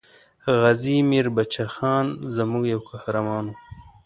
غازي میر بچه خان زموږ یو قهرمان وو.